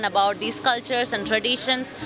belajar tentang budaya dan tradisi ini